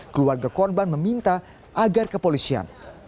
keluarga korban meminta agar kepolisian